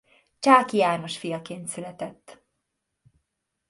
Csáky János fiaként született.